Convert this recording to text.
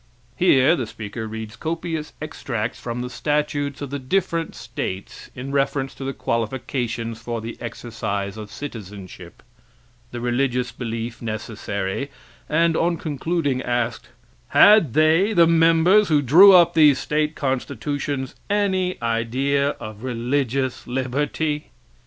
Here the speaker read copious extracts from the statutes of the different states in reference to the qualifications for the exercise of citizenship the religious belief necessary; and, on concluding, asked, "Had they (the members who drew up these state constitutions) any idea of religious liberty."